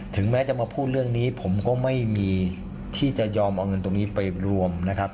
แม้จะมาพูดเรื่องนี้ผมก็ไม่มีที่จะยอมเอาเงินตรงนี้ไปรวมนะครับ